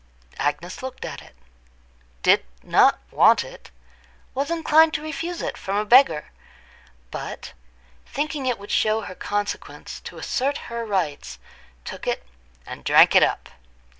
Agnes looked at it, did not want it, was inclined to refuse it from a beggar, but thinking it would show her consequence to assert her rights, took it and drank it up.